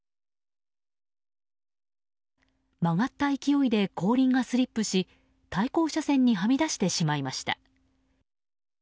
曲がった勢いで後輪がスリップし対向車線にはみ出してしまいました。